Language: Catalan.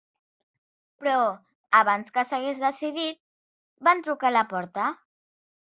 Però, abans que s'hagués decidit, van trucar a la porta.